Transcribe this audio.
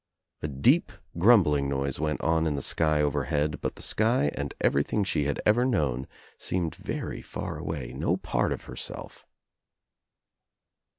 A deep grum bling noise went on in the sky overhead but the sky and everything she had ever known seemed very far away, no part of herself.